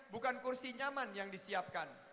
bukan kursi nyaman yang disiapkan